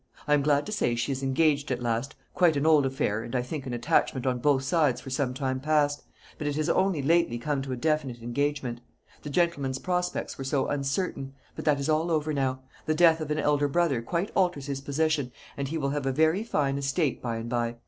I am glad to say she is engaged at last quite an old affair, and I think an attachment on both sides for some time past; but it has only lately come to a definite engagement. The gentleman's prospects were so uncertain; but that is all over now. The death of an elder brother quite alters his position, and he will have a very fine estate by and by.